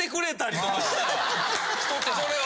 それは。